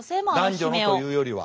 男女のというよりは。